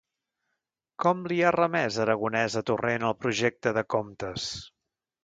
Com li ha remés Aragonès a Torrent el projecte de comptes?